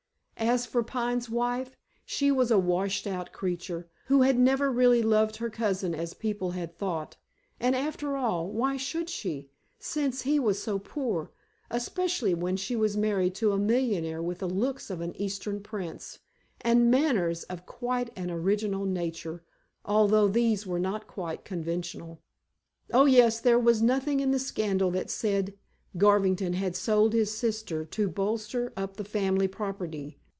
As for Pine's wife, she was a washed out creature, who had never really loved her cousin as people had thought. And after all, why should she, since he was so poor, especially when she was married to a millionaire with the looks of an Eastern prince, and manners of quite an original nature, although these were not quite conventional. Oh, yes, there was nothing in the scandal that said Garvington had sold his sister to bolster up the family property.